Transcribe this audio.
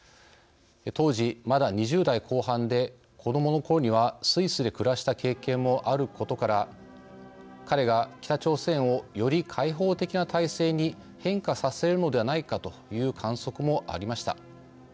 当時、まだ２０代後半で子どものころにはスイスで暮らした経験もあることから彼が北朝鮮をより開放的な体制に変化させるのではないかという観測もありました。